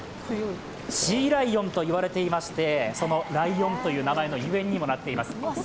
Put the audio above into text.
シーライオンと言われていまして、そのライオンという名前のゆえんにもなっています。